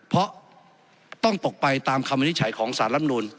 เพราะต้องตกไปตามคำวินิจฉัยของสารลำนูล